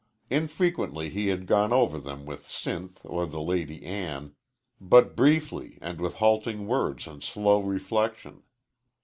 Infrequently he had gone over them with Sinth or the Lady Ann, but briefly and with halting words and slow reflection.